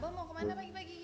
abah mau kemana pagi pagi gini